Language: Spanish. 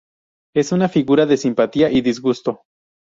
Es una figura de simpatía y disgusto.